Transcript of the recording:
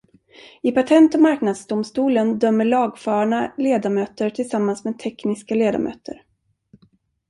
I Patent- och marknadsdomstolen dömer lagfarna ledamöter tillsammans med tekniska ledamöter.